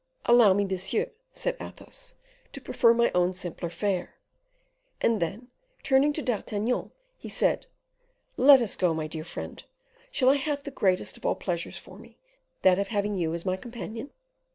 "Allow me, monsieur," said Athos, "to prefer my own simpler fare." And then, turning to D'Artagnan, he said, "Let us go, my dear friend. Shall I have that greatest of all pleasures for me that of having you as my companion?"